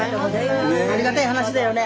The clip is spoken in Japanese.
ありがたい話だよね。